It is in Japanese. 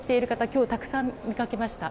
今日はたくさん見ました。